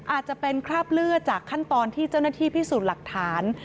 อาจจะเป็นคราบเลือดจากขั้นตอนที่เจ้าหน้าที่พิสูจน์หลักฐาน